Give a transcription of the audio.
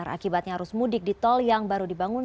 akibatnya arus mudik di tol yang baru dibangun